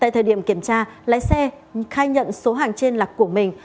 tại thời điểm kiểm tra lái xe khai nhận số hàng trên là của mình